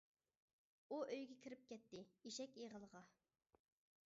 ئۇ ئۆيىگە كىرىپ كەتتى، ئېشەك ئېغىلغا.